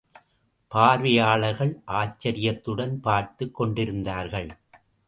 பார்வையாளர்கள் ஆச்சரியத்துடன் பார்த்துக் கொண்டிருந்தார்கள்.